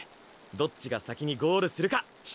どっちが先にゴールするか勝負だ！